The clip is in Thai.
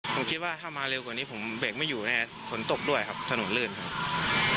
ผมคิดว่าถ้ามาเร็วกว่านี้ผมเบรกไม่อยู่แน่ฝนตกด้วยครับถนนลื่นครับ